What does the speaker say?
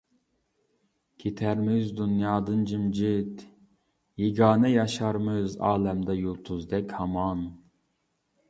كېتەرمىز دۇنيادىن جىمجىت، يېگانە، ياشارمىز ئالەمدە يۇلتۇزدەك ھامان.